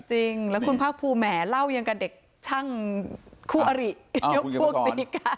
จริงแล้วคุณภาคภูมิแหมเล่ายังกับเด็กช่างคู่อริยกพวกตีกัน